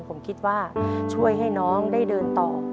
ผมคิดว่าช่วยให้น้องได้เดินต่อ